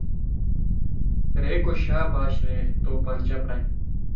ریکو شاباش! رے تو پنجہ پرائے